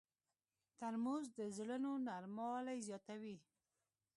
ترموز د زړونو نرموالی زیاتوي.